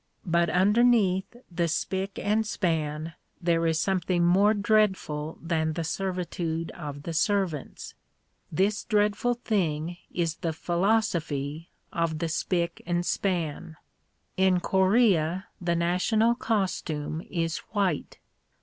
But underneath the spick and span there is something more dreadful than the servitude of the servants. This dreadful thing is the philosophy of the spick and span. In Korea the national costume is white.